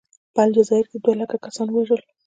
په الجزایر کې یې دوه لکه کسان ووژل.